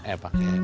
eh pak km